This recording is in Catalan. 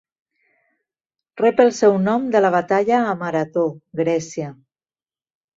Rep el seu nom de la batalla a Marató, Grècia.